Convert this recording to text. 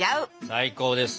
最高です。